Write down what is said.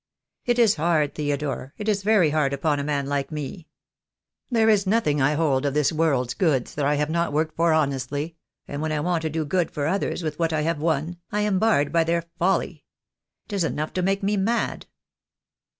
It is hard, Theodore, it is very hard upon a man like me. There is nothing I hold of this world's goods that I have not worked for honestly; and when I want to do good for others with what I have won, I am barred by their folly. It is enough to make me mad."